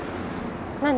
何？